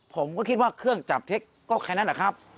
ผมก็คิดว่าเครื่องจับเท็จก็แค่นั้นแหละครับ